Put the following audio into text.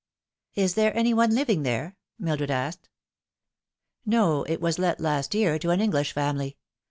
" Is there any one living there ?" Mildred asked. No, it was let last year to an English family.